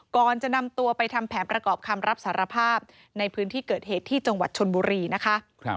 ก่อนจะนำตัวไปทำแผนประกอบคำรับสารภาพในพื้นที่เกิดเหตุที่จังหวัดชนบุรีนะคะ